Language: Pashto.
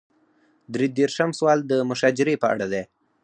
درې دېرشم سوال د مشاجرې په اړه دی.